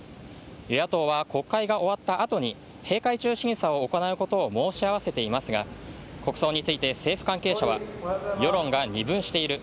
与野党は国会が終わった後に閉会中、審査を行うことを申し合わせていますが国葬について政府関係者は世論が二分している。